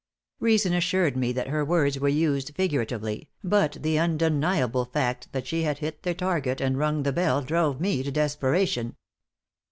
Reason assured me that her words were used figuratively, but the undeniable fact that she had hit the target and rung the bell drove me to desperation.